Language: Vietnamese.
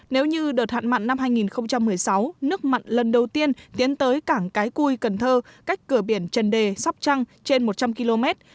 nếu như đợt hạn mặn năm hai nghìn một mươi sáu nước mặn lần đầu tiên tiến tới cảng cái cui cần thơ cách cửa biển trần đề sóc trăng trên một trăm linh km